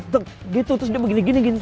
terus dia begini gini